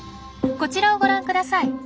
こちらをご覧ください。